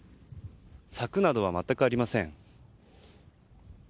柵などは全くありません。